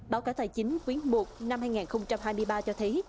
báo cáo tài chính quyến một năm hai nghìn hai mươi ba cho thấy